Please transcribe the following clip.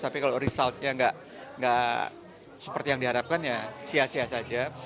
tapi kalau resultnya nggak seperti yang diharapkan ya sia sia saja